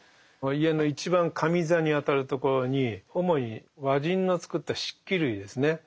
家の一番上座にあたるところに主に和人の作った漆器類ですね。